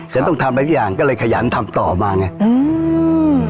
ฉันต้องทำอะไรทุกอย่างก็เลยขยันทำต่อมาไงอืม